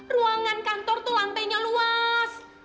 ruangan kantor tuh lantainya luas